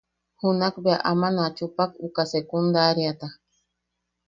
Junak bea aman a chupak uka sekundariata.